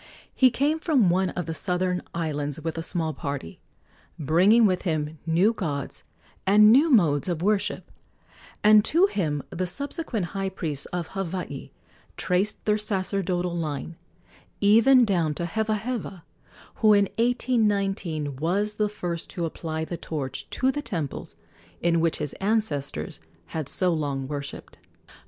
He came from one of the southern islands with a small party, bringing with him new gods and new modes of worship, and to him the subsequent high priests of Hawaii traced their sacerdotal line, even down to Hevaheva, who in 1819 was the first to apply the torch to the temples in which his ancestors had so long worshipped.